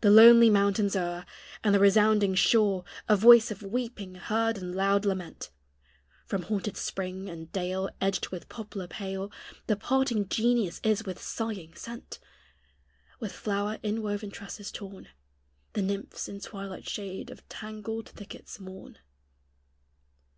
The lonely mountains o'er, And the resounding shore, A voice of weeping heard and loud lament; From haunted spring, and dale Edged with poplar pale, The parting genius is with sighing sent; With flower inwoven tresses torn The nymphs in twilight shade of tangled thickets mourn.